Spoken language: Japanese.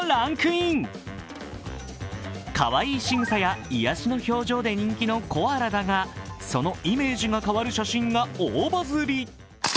かわいいしぐさや癒やしの表情で人気のコアラだが、そのイメージが変わる写真が大バズり。